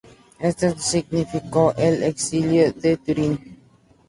Esto significó el exilio de Túrin.